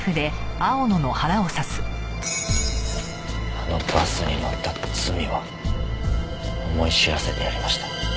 あのバスに乗った罪を思い知らせてやりました。